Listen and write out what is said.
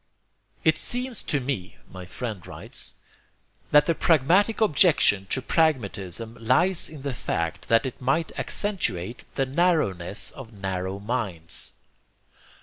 "It seems to me," my friend writes, "that the pragmatic objection to pragmatism lies in the fact that it might accentuate the narrowness of narrow minds.